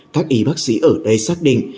các y bác sĩ ở đây xác định